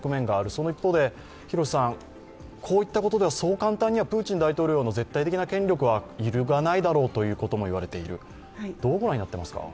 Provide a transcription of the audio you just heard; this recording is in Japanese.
その一方で、こういったことでは、そう簡単にはプーチン大統領の絶対的な権力は揺るがないだろうということも言われている、どう御覧になっていますか。